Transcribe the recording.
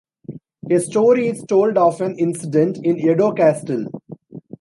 A story is told of an incident in Edo Castle.